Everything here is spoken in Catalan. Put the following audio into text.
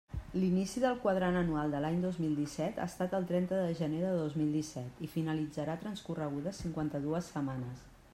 L'inici del quadrant anual de l'any dos mil disset ha estat el trenta de gener de dos mil disset i finalitzarà transcorregudes cinquanta-dues setmanes.